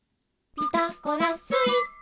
「ピタゴラスイッチ」